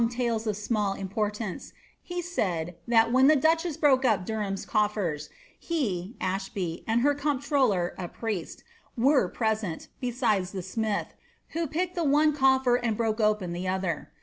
tales of small importance, he said, that when the ducbaaa broke i| Derham^s cofiere, he T Ashby) and her comptroller (a priest) were pie sent, besides the smitn, who picked the one cofier and broke opeo the other.